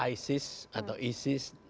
isis atau isis